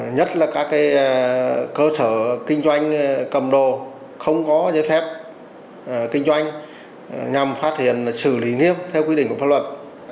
nhất là các cơ sở kinh doanh cầm đồ không có giới phép kinh doanh nhằm phát hiện xử lý nghiêm theo quy định của pháp luật